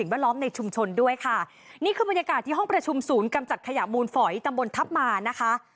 บรรยากาศที่ห้องประชุมศูนย์กำจัดขยะมูลฝ่อยตำบลทัพมานะคะ